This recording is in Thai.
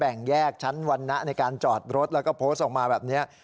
แยกชั้นวรรณะในการจอดรถแล้วก็โพสต์ออกมาแบบนี้